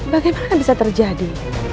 bagaimana bisa terjadi